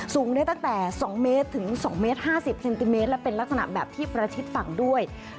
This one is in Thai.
สูงได้ตั้งแต่๒เมตรถึง๒เมตร๕๐เซนติเมตรและเป็นลักษณะแบบที่ประชิดฝั่งด้วย